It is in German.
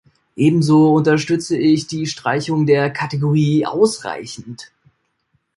Ebenso unterstütze ich die Streichung der Kategorie "ausreichend".